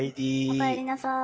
おかえりなさい。